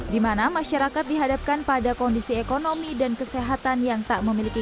dimana masyarakat dihadapkan pada kondisi ekonomi dan kesehatan yang tak memiliki